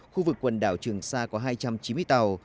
khu vực quần đảo trường sa có hai trăm chín mươi tàu